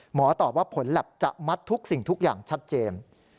หมอตอบว่าผลแล็บจะมัดทุกสิ่งทุกอย่างชัดเจน